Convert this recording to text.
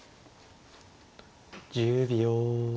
１０秒。